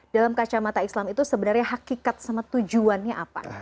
dalam kacamata islam itu sebenarnya hakikat sama tujuannya apa